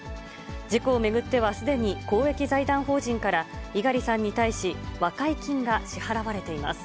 事故を巡っては、すでに公益財団法人から猪狩さんに対し、和解金が支払われています。